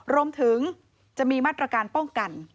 รวมถึงจะมีมาตรการป้องกัน